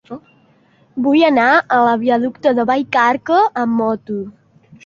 Vull anar a la viaducte de Vallcarca amb moto.